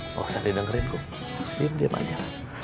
nggak usah didengerin kum diam diam aja